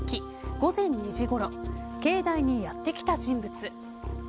午前２時ごろ境内にやって来た人物。